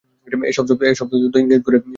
এসব শব্দ করে ইঙ্গিত দিচ্ছো?